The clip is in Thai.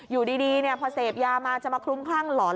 อยู่ดีพอเสพยามาจะมาคลุมคลั่งหลอน